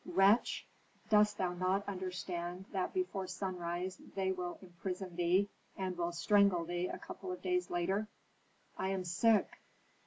"Wretch! Dost thou not understand that before sunrise they will imprison thee, and will strangle thee a couple of days later?" "I am sick."